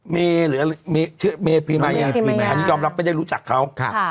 เมย์หรือชื่อเมพรีมายาอันนี้ยอมรับไม่ได้รู้จักเขา